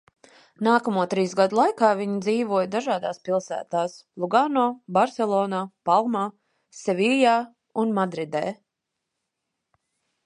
Nākamo trīs gadu laikā viņi dzīvoja dažādās pilsētās: Lugāno, Barselonā, Palmā, Seviljā un Madridē.